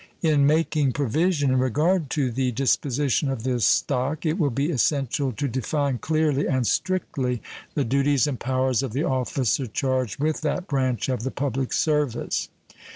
In making provision in regard to the disposition of this stock it will be essential to define clearly and strictly the duties and powers of the officer charged with that branch of the public service.